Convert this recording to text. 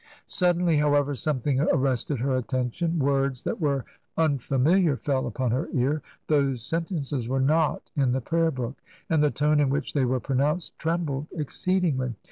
Suddenly, however, something arrested her attention ; words that were unfamiliar fell upon her ear ; those sen tences were not in the prayer book, and the tone in which they were pronounced trembled exceedingly.